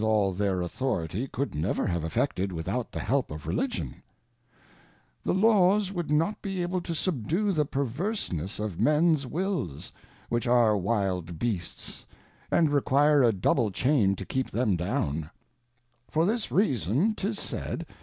all their Authority could never have effected without the help of Religion ; the Laws would jiot. be able tq^subdue the perverseness of Mens Wills", ^T iich are, Wilii Bea^Sy ^adjec]uire^^ double Chain _ tp_ Jkeep—them^downi for this Reason ^tis said.